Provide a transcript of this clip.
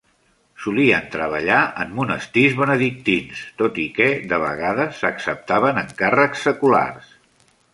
Solien treballar en monestirs Benedictins, tot i que de vegades acceptaven encàrrecs seculars.